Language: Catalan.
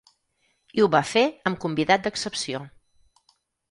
I ho va fer amb convidat d’excepció.